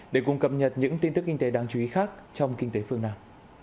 để cùng cập nhật những tin tức kinh tế đáng chú ý khác trong kinh tế phương nam